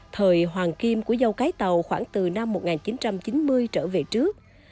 thời hoàng kim của dâu cái tàu khoảng từ năm một nghìn chín trăm chín mươi trở về trước